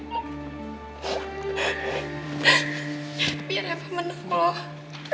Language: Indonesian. papi rapah menang loh